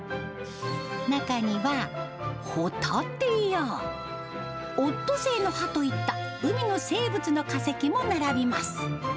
中には、ホタテや、オットセイの歯といった海の生物の化石も並びます。